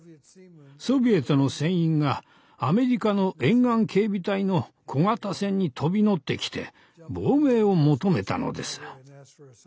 ソビエトの船員がアメリカの沿岸警備隊の小型船に飛び乗ってきて亡命を求めたのです。